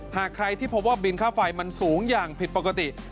หากใครที่พบว่าบินค่าไฟมันสูงอย่างผิดปกติ